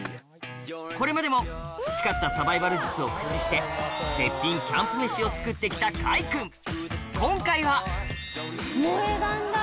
これまでも培ったサバイバル術を駆使して絶品キャンプ飯を作って来た開くん今回は萌え段だ。